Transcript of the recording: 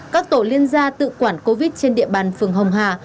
các tổ liên gia tự quản covid trên địa bàn phường hồng hà